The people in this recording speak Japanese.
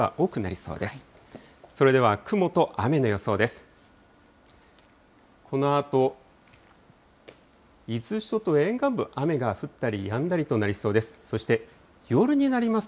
それでは雲と雨の予想です。